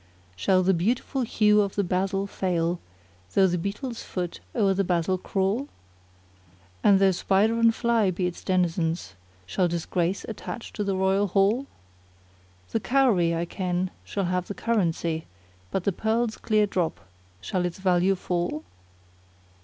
Shall the beautiful hue of the Basil[FN#32] fail * Tho' the beetle's foot o'er the Basil crawl? And though spider and fly be its denizens * Shall disgrace attach to the royal hall? The cowrie,[FN#33] I ken, shall have currency * But the pearl's clear drop, shall its value fall?